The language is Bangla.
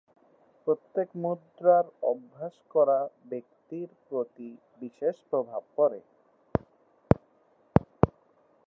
প্রত্যেক মুদ্রার অভ্যাস করা ব্যক্তির প্রতি বিশেষ প্রভাব পড়ে।